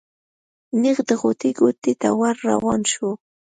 نېغ د غوټۍ کوټې ته ور روان شو.